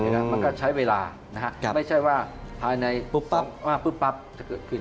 มันก็ใช้เวลานะครับไม่ใช่ว่าภายในปุ๊บปั๊บจะเกิดขึ้น